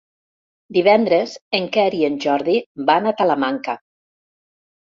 Divendres en Quer i en Jordi van a Talamanca.